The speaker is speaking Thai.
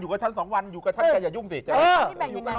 อยู่กับฉัน๒วันอยู่กับฉันอย่ายุ่งสิ